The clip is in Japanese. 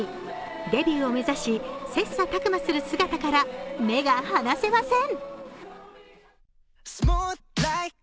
デビューを目指し切磋琢磨する姿から目が離せません。